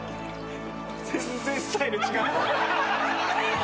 全然スタイル違う。